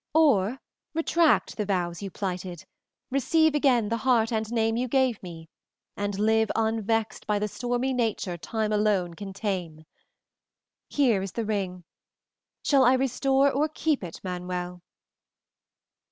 Or retract the vows you plighted, receive again the heart and name you gave me, and live unvexed by the stormy nature time alone can tame. Here is the ring. Shall I restore or keep it, Manuel?"